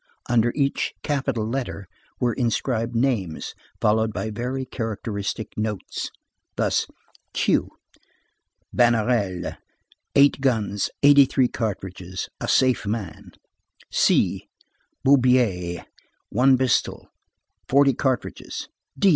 Under each capital letter were inscribed names followed by very characteristic notes. Thus: Q. Bannerel. 8 guns, 83 cartridges. A safe man.—C. Boubière. 1 pistol, 40 cartridges.